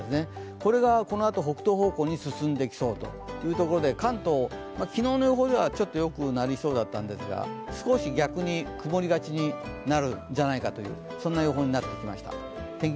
これがこのあと北東方向に進んでいきそうというところで関東、昨日の予報ではちょっとよくなりそうだったんです、少し逆に曇りがちになるんじゃないかというそんな予報になってきました。